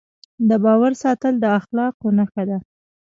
د باور ساتل د اخلاقو نښه ده.